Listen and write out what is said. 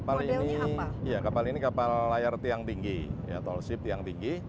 kapal ini ya kapal ini kapal layar tiang tinggi ya tall ship tiang tinggi